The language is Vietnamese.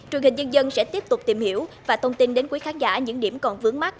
truyền hình dân dân sẽ tiếp tục tìm hiểu và thông tin đến quý khán giả những điểm còn vướng mắt